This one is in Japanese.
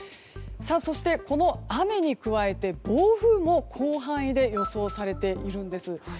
そして、この雨に加えて暴風も広範囲で予想されているんです。